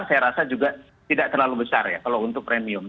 saya rasa juga tidak terlalu besar ya kalau untuk premium